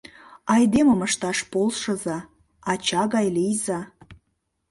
Айдемым ышташ полшыза, ача гай лийза...